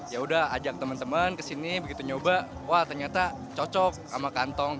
yaudah ajak teman teman ke sini begitu nyoba wah ternyata cocok sama kantong